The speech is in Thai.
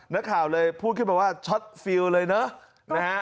นักข่าวเลยพูดขึ้นมาว่าช็อตฟิลเลยเนอะนะฮะ